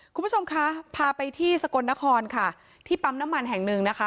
คุณผู้ชมคะพาไปที่สกลนครค่ะที่ปั๊มน้ำมันแห่งหนึ่งนะคะ